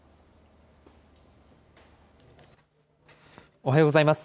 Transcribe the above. おはようございます。